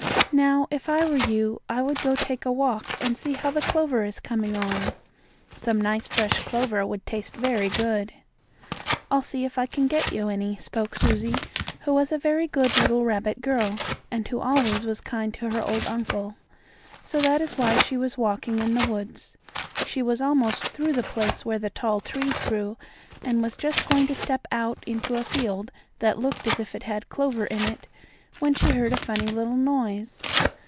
"Now, if I were you, I would go take a walk and see how the clover is coming on. Some nice, fresh clover would taste very good." "I'll see if I can get you any," spoke Susie, who was a very good little rabbit girl, and who always was kind to her old uncle. So that is why she was walking in the woods. She was almost through the place where the tall trees grew, and was just going to step out into a field that looked as if it had clover in it, when she heard a funny little noise.